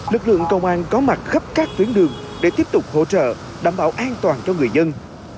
lực lượng công an có mặt khắp các tuyến đường để tiếp tục hỗ trợ đảm bảo an toàn cho người dân